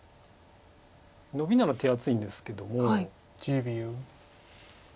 ノビなら手厚いんですけども。